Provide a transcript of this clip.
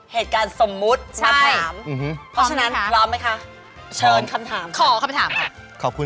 เหตุการณ์สมมติมาถามเค้าพร้อมไหมคะช้อนคำถามใช่ไหม